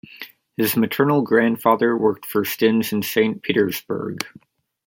His maternal grandfather worked for Stinnes in Saint Petersburg.